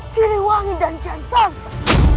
siliwangi dan kian santar